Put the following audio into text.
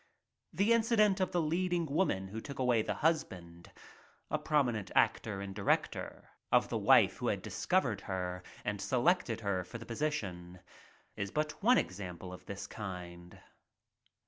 The incident of the leading woman who took away the husband — a prominent actor and director — of the wife who had discovered her and selected her for the position, is but one example of this kind.